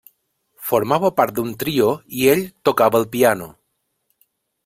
Formava part d'un trio i ell tocava el piano.